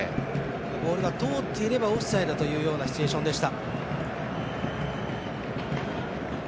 ボールが通っていればオフサイドというシチュエーションでした。